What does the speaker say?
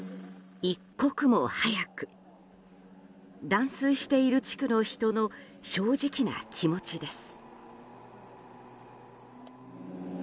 断水している地区の人の正直な気持ちです。